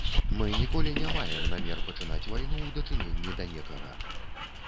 Мы ніколі не маем намер пачынаць вайну ў дачыненні да некага.